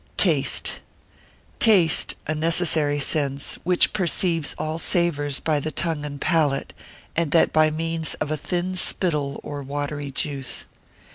Taste.] Taste, a necessary sense, which perceives all savours by the tongue and palate, and that by means of a thin spittle, or watery juice.